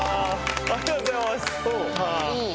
ありがとうございます！